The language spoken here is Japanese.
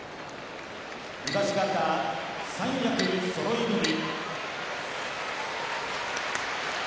東方三役そろい踏み。